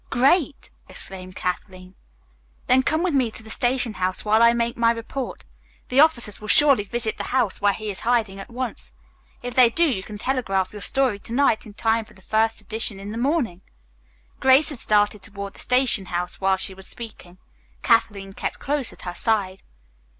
"Great!" exclaimed Kathleen. "Then come with me to the station house while I make my report. The officers will surely visit the house where he is hiding at once. If they do, you can telegraph your story to night in time for the first edition in the morning." Grace had started toward the station house while she was speaking. Kathleen kept close at her side.